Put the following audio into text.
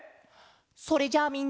それじゃあみんな。